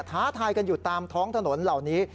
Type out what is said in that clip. ท้าทายกันอยู่ตามท้องถนนเหล่านี้